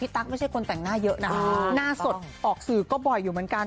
ตั๊กไม่ใช่คนแต่งหน้าเยอะนะหน้าสดออกสื่อก็บ่อยอยู่เหมือนกัน